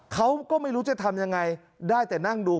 เขาก็ไม่รู้จะทำยังไงได้แต่นั่งดู